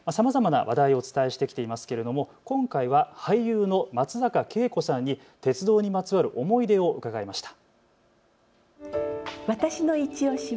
さまざまな話題をお伝えしてきていますけれども、今回は俳優の松坂慶子さんに鉄道にまつわる思い出を伺いました。